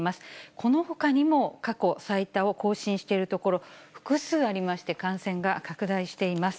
このほかにも過去最多を更新している所、複数ありまして、感染が拡大しています。